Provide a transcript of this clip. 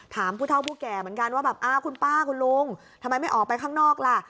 ผู้เท่าผู้แก่เหมือนกันว่าแบบอ้าวคุณป้าคุณลุงทำไมไม่ออกไปข้างนอกล่ะ